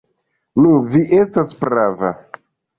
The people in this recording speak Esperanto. Nu, vi estas prava.